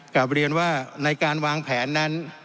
กลับเรียนว่าในการวางแผนนั้น